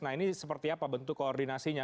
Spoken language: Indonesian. nah ini seperti apa bentuk koordinasinya